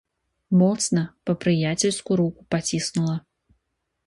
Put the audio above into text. Моцна, па-прыяцельску руку паціснула.